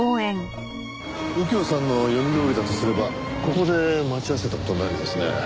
右京さんの読みどおりだとすればここで待ち合わせた事になるんですね。